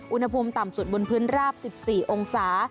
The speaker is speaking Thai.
อุณหภูมิต่ำสุดบนพื้นราบ๑๔องศา